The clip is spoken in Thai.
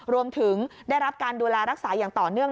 รวมถึงได้รับการดูแลรักษาอย่างต่อเนื่อง